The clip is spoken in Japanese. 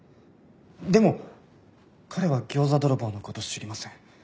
でも彼は餃子泥棒の事知りません。